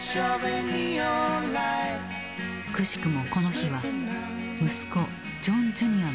くしくもこの日は息子ジョン・ジュニアの３歳の誕生日。